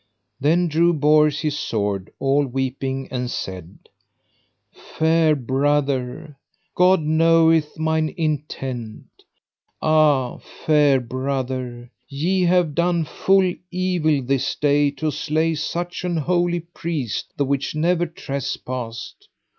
Then drew Bors his sword, all weeping, and said: Fair brother, God knoweth mine intent. Ah, fair brother, ye have done full evil this day to slay such an holy priest the which never trespassed.